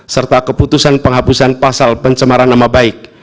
serta keputusan penghapusan pasal pencemaran nama baik